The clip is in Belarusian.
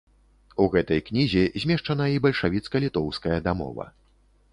У гэтай кнізе змешчана і бальшавіцка-літоўская дамова.